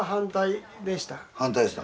反対した。